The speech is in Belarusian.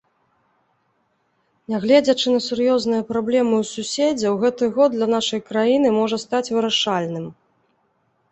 Нягледзячы на сур'ёзныя праблемы ў суседзяў, гэты год для нашай краіны можа стаць вырашальным.